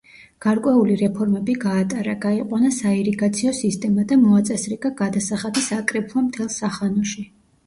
გარკვეული რეფორმები გაატარა, გაიყვანა საირიგაციო სისტემა და მოაწესრიგა გადასახადის აკრეფვა მთელს სახანოში.